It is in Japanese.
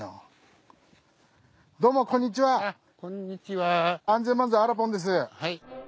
はい。